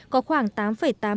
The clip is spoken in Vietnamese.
có khoảng tám tám nghìn hectare